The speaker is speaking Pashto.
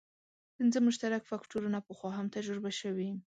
پنځه مشترک فکټورونه پخوا هم تجربه شوي.